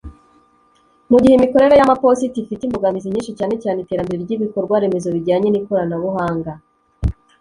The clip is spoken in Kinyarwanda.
Mu gihe imikorere y’amaposita ifite imbogamizi nyinshi cyane cyane iterambere ry’ibikorwa remezo bijyanye n’ikoranabuhanga